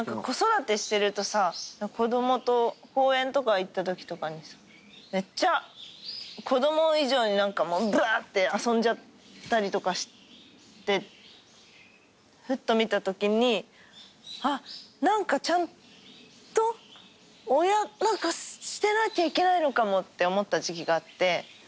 子育てしてるとさ子供と公園とか行ったときとかにめっちゃ子供以上にぶわーって遊んじゃったりとかしてふっと見たときにあっ何かちゃんと親してなきゃいけないのかもって思った時期があって。